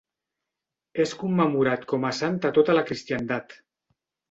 És commemorat com a sant a tota la cristiandat.